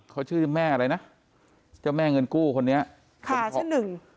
เขาชื่อแม่อะไรนะเจ้าแม่เงินกู้คนนี้ค่ะชื่อหนึ่ง